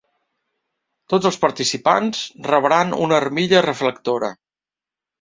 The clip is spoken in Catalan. Tots els participants rebran una armilla reflectora.